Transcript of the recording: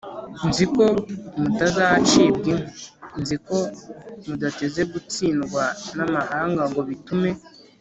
nzi ko mutazacibwa inka: nzi ko mudateze gutsindwa n’amahanga ngo bitume